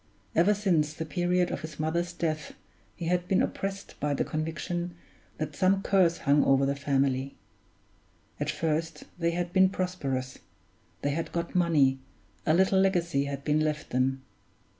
Ever since the period of his mother's death he had been oppressed by the conviction that some curse hung over the family. At first they had been prosperous, they had got money, a little legacy had been left them.